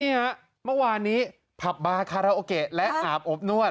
นี่ฮะเมื่อวานนี้พับบาคาโรเคและอาบอบนวด